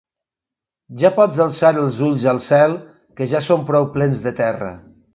Ja pots alçar els ulls al cel, que ja són prou plens de terra.